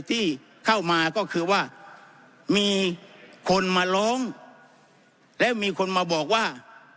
ที่เข้ามาก็คือว่ามีคนมาร้องแล้วมีคนมาบอกว่า